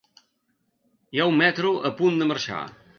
Hi ha un metro a punt de marxar.